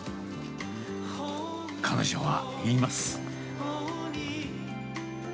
彼女は言います。